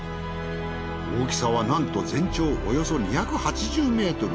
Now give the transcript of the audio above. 大きさはなんと全長およそ２８０ｍ。